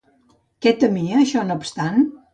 Què temia, això no obstant?